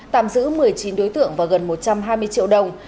tạm giữ một mươi chín đối tượng và gần một trăm hai mươi triệu đồng